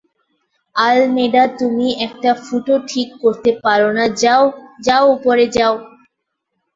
Almeida তুমি একটা ফুটো ঠিক করতে পারো না যাও, যাও উপরে যাও।